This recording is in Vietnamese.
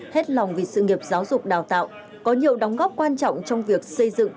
hết lòng vì sự nghiệp giáo dục đào tạo có nhiều đóng góp quan trọng trong việc xây dựng